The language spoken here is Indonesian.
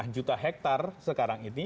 dua lima juta hektare sekarang ini